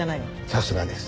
さすがです。